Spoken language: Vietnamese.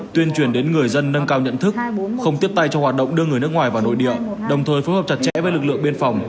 tuyên truyền đến người dân nâng cao nhận thức không tiếp tay cho hoạt động đưa người nước ngoài vào nội địa đồng thời phối hợp chặt chẽ với lực lượng biên phòng